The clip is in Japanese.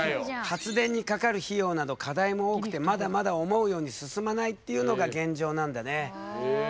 発電にかかる費用など課題も多くてまだまだ思うように進まないっていうのが現状なんだね。